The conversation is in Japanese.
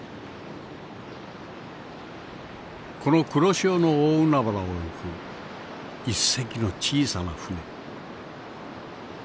この黒潮の大海原を行く１隻の小さな船。